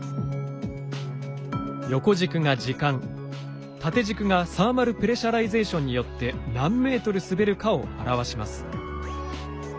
横軸が時間縦軸がサーマル・プレシャライゼーションによって何メートルすべるかを表します。